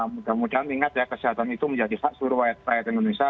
mudah mudahan ingat ya kesehatan itu menjadi hak seluruh rakyat indonesia